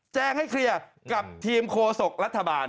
ให้เคลียร์กับทีมโคศกรัฐบาล